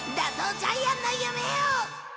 ジャイアンの夢を！